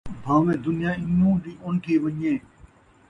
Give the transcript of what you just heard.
بھانویں دنیا انوں دی ان تھی ونڄے